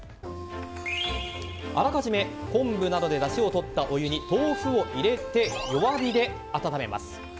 あらかじめ昆布などでだしをとったお湯に豆腐を入れて弱火で温めます。